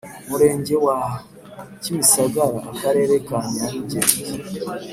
Murenge wa kimisagara akarere ka nyarugenge